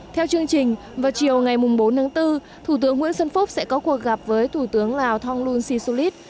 theo chương trình vào chiều ngày bốn tháng bốn thủ tướng nguyễn xuân phúc sẽ có cuộc gặp với thủ tướng lào thonglun sisulit